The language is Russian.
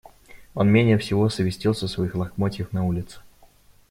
Он менее всего совестился своих лохмотьев на улице.